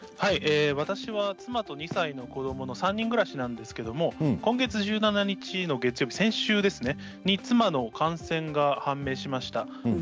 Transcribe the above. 私は妻と２歳の子どもの３人暮らしなんですけれども今月１７日の月曜日先週ですね妻の感染が判明しました。